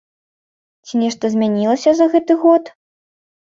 Ці нешта змянілася за гэты год?